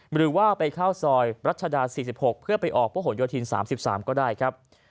หรือว่าไปเข้าซอยรัชดา๔๖เพื่อไปออกพระหลโยธิน๓๓ก็ได้ครับ